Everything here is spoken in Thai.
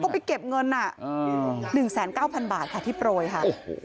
ไปเก็บเงิน๑๙๐๐บาทค่ะที่โปรยค่ะ